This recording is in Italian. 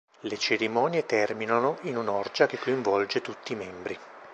Le cerimonie terminano in un'orgia che coinvolge tutti i membri.